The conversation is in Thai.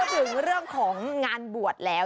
ถึงเรื่องของงานบวชแล้ว